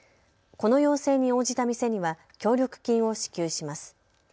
この要請に応じた店には協力金を支給します。